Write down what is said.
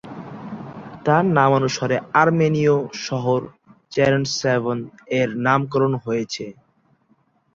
তার নামানুসারে আর্মেনীয় শহর চ্যারেন্টস্যাভন-এর নামকরণ হয়েছে।